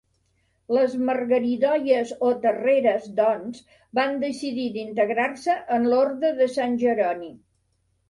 Les margaridoies o terreres, doncs, van decidir d'integrar-se en l'Orde de Sant Jeroni.